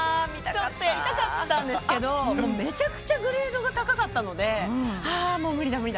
やりたかったんですけどめちゃくちゃグレードが高かったので無理だ無理だと思って。